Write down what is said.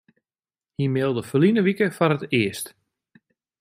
Hy mailde ferline wike foar it earst.